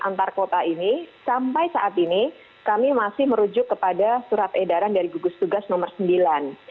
antar kota ini sampai saat ini kami masih merujuk kepada surat edaran dari gugus tugas nomor sembilan